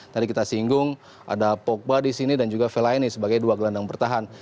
tadi kita singgung ada pogba di sini dan juga fellaini sebagai dua gelendang pertahan